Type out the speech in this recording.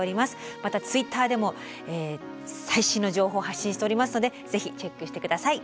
またツイッターでも最新の情報を発信しておりますのでぜひチェックして下さい。